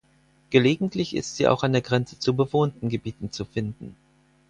Gelegentlich ist sie auch an der Grenze zu bewohnten Gebieten zu finden.